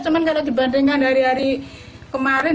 cuman kalau dibandingkan hari hari kemarin